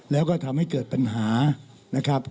แล้วก็ทำให้เกิดปัญหานะครับ